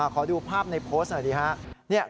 ขอดูภาพในโพสต์หน่อยดีครับ